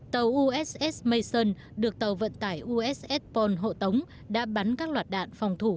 tàu uss mason được tàu vận tải uss paul hộ tống đã bắn các loạt đạn phòng thủ